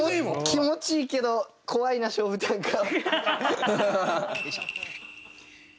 気持ちいいけど怖いな勝負短歌。